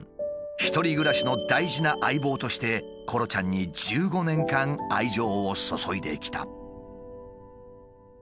１人暮らしの大事な相棒としてコロちゃんに１５年間愛情を注いできた。